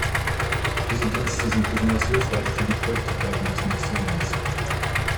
Diese Dienste sind besonders hilfreich für die Projektarbeiten des Ministeriums.